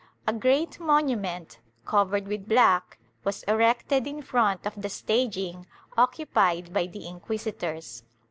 A great monu ment, covered with black, was erected in front of the staging occupied by the inquisitors.